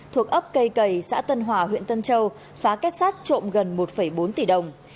thuộc ấp cây cầy xã tân hòa huyện tân châu phá kết sát trộm gần một bốn tỷ đồng